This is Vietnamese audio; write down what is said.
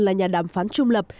là nhà đàm phán trung lập